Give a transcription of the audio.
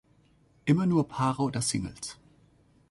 Immer nur Paare oder Singles.